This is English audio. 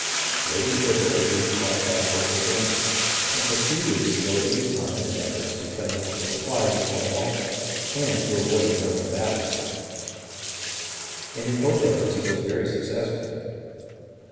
Late in February Greene crossed back over the Dan, and for three weeks devoted his time and efforts to cut ting off the supplies of Cornwallis, and to avoiding an open battle, and in both efforts he was very successful.